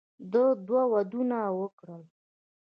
ده دوه ودونه وکړل.